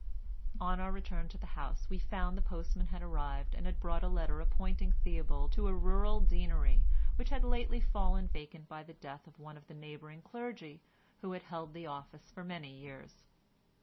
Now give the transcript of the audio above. On our return to the house we found the postman had arrived and had brought a letter appointing Theobald to a rural deanery which had lately fallen vacant by the death of one of the neighbouring clergy who had held the office for many years.